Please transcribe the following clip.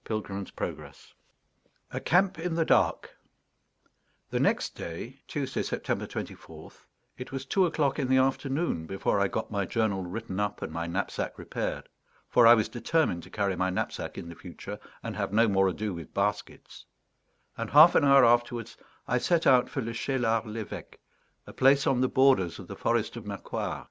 _ PILGRIM'S PROGRESS. A CAMP IN THE DARK The next day (Tuesday, September 24th) it was two o'clock in the afternoon before I got my journal written up and my knapsack repaired, for I was determined to carry my knapsack in the future, and have no more ado with baskets; and half an hour afterwards I set out for Le Cheylard l'Évéque, a place on the borders of the forest of Mercoire.